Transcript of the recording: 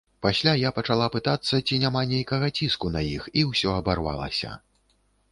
Пасля я пачала пытацца, ці няма нейкага ціску на іх і ўсё абарвалася.